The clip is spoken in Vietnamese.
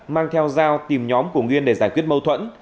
mang theo dao tìm nhóm của nguyên để giải quyết mâu thuẫn